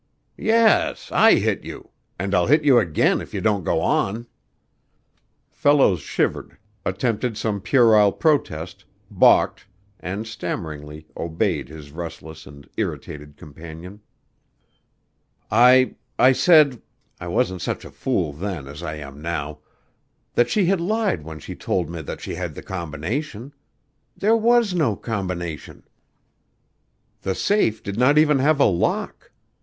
"Yes, I hit you; and I'll hit you again if you don't go on." Fellows shivered, attempted some puerile protest, balked, and stammeringly obeyed his restless and irritated companion. "I I said I wasn't such a fool then as I am now that she had lied when she told me that she had the combination. There was no combination. The safe did not even have a lock.